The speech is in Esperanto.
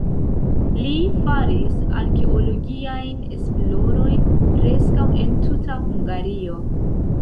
Li faris arkeologiajn esplorojn preskaŭ en tuta Hungario.